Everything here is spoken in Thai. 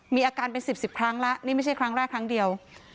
มีอาการเป็น๑๐๑๐ครั้งแล้วนี่ไม่ใช่ครั้งแรกครั้งเดียว